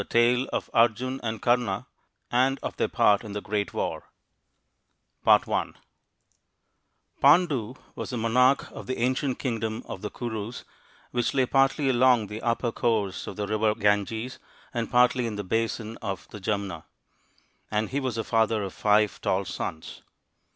Tale of Arjun and Karna, and of their Part in the Great War THE FIVE TALL SONS OF PANDU PANDU was the monarch of the ancient kingdom of the Kurus, which lay partly along the upper course of the River Ganges and partly in the basin of the Jumna ; and he was the father of five tall sons.